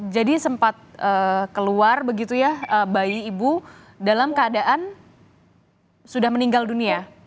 jadi sempat keluar begitu ya bayi ibu dalam keadaan sudah meninggal dunia